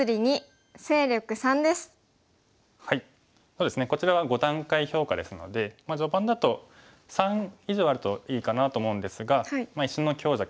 そうですねこちらは５段階評価ですので序盤だと３以上あるといいかなと思うんですが石の強弱